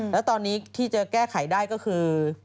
แล้วตอนนี้ที่จะแก้ไขได้ก็คือ